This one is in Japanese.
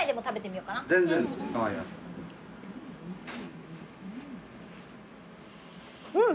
うん！